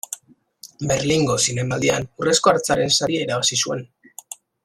Berlingo Zinemaldian Urrezko Hartzaren saria irabazi zuen.